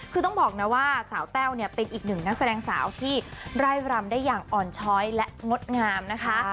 คือต้องบอกนะว่าสาวแต้วเนี่ยเป็นอีกหนึ่งนักแสดงสาวที่ไร่รำได้อย่างอ่อนช้อยและงดงามนะคะ